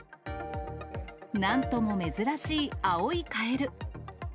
なんとも珍しい青いカエル。